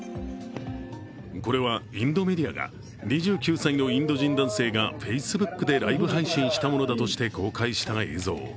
これはインドメディアが２９歳のインド人男性がＦａｃｅｂｏｏｋでライブ配信したものだとして公開した映像。